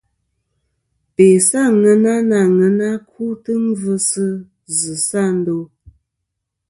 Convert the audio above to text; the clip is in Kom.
Be sɨ àŋena na aŋena kutɨ ngvɨsɨ zɨsɨ a ndo.